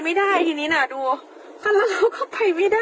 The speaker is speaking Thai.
ไม่ได้อย่างนี้น่ะกลัวว่ะจะถอยมาโดนเราไม่ให้พี่นั่น